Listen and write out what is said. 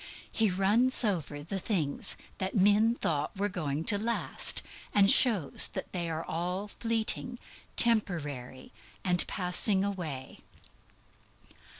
He runs over the things that men thought were going to last, and shows that they are all fleeting, temporary, passing away.